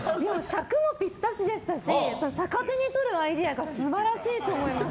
尺もぴったしでしたし逆手に取るアイデアが素晴らしいと思います。